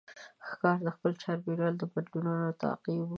ښکاري د خپل چاپېریال بدلونونه تعقیبوي.